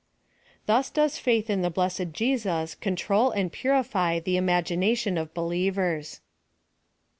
Thus does faith in the blessed Jesus control and purify the imagination of believers.